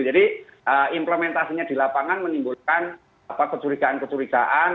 jadi implementasinya di lapangan menimbulkan keturigaan keturigaan